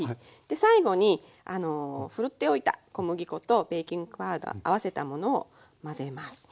で最後にふるっておいた小麦粉とベーキングパウダー合わせたものを混ぜます。